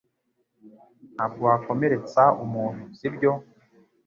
Ntabwo wakomeretsa umuntu, sibyo?